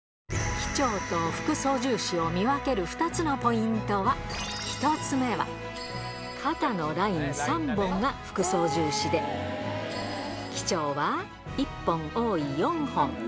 機長と副操縦士を見分ける２つのポイントは、１つ目は肩のライン３本が副操縦士で、機長は１本多い４本。